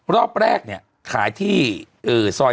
ต้องกดหวังแล้วอีก๓๕๐วันไปไหม